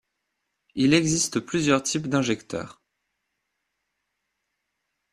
Il existe plusieurs types d'injecteurs.